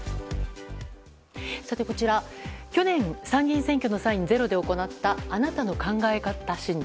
こちら、去年参議院選挙の際に「ｚｅｒｏ」で行ったあなたの考え方診断。